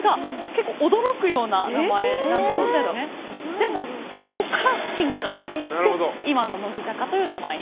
でもそこから進化していって今の乃木坂という名前になったんです。